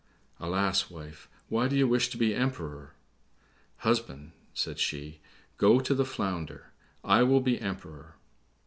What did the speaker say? "Alas, wife, why do you wish to be Emperor?" "Husband," said she, "go to the Flounder. I will be Emperor."